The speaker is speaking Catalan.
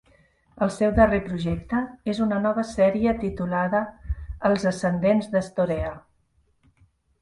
El seu darrer projecte és una nova sèrie titulada "Els ascendents d'Estorea".